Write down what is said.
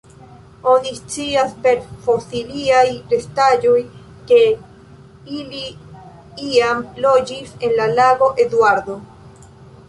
Oni scias per fosiliaj restaĵoj ke ili iam loĝis en la Lago Eduardo.